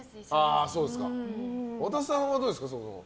和田さんはどうですか？